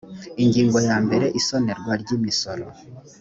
ingingo ya mbere isonerwa ry imisoro